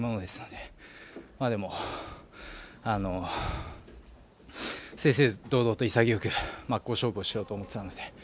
でも、正々堂々と潔く真っ向勝負をしようと思ってたので。